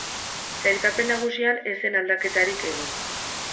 Sailkapen nagusian ez zen aldaketarik egin.